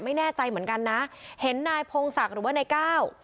ไม่แน่ใจเหมือนกันนะเห็นนายพงศักดิ์หรือว่านายก้าว